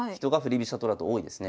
飛車党だと多いんですね。